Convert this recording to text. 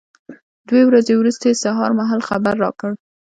دوې ورځې وروسته یې سهار مهال خبر را کړ.